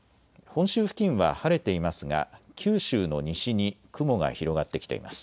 本州付近は晴れていますが九州の西に雲が広がってきています。